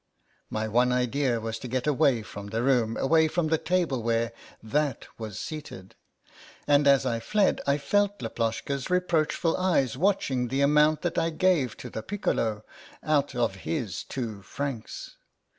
My one idea was to get away from the room, away from the table where that was seated ; and as I fled I felt Laploshka's reproachful eyes watching the amount that I gave to the piccolo — out of his two francs.